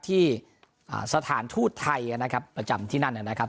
ที่สถานทูตไทยนะครับประจำที่นั่นนะครับ